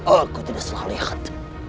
aku tidak selalu lihat